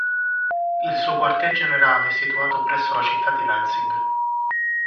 Il suo quartier generale è situato presso la città di Lansing.